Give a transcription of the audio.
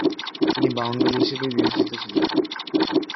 তিনি বাউণ্ডুলে হিসাবে বিবেচিত ছিলেন।